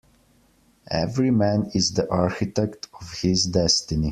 Every man is the architect of his destiny.